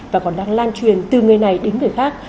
và còn đang lan truyền từ người này đến người khác